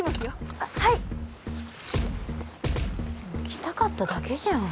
来たかっただけじゃん。